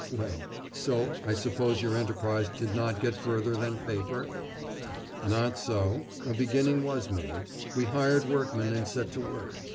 Well, so I suppose your enterprise did not get further than paper?' 'Not so. A beginning was made. We hired workmen, and set to work.